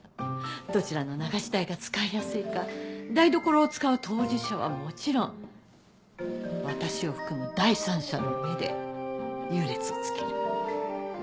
どちらの流し台が使いやすいか台所を使う当事者はもちろん私を含む第三者の目で優劣をつける。